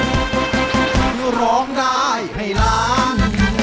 ร้องได้ให้ล้านร้องได้ให้ล้าน